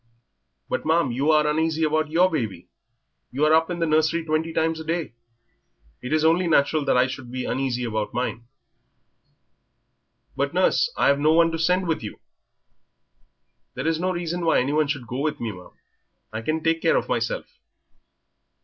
"But, ma'am, you are uneasy about your baby; you are up in the nursery twenty times a day; it is only natural I should be uneasy about mine." "But, nurse, I've no one to send with you." "There is no reason why any one should go with me, ma'am; I can take care of myself."